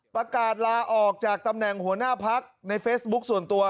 ประกาศลาออกจากตำแหน่งหัวหน้าพักในเฟซบุ๊คส่วนตัว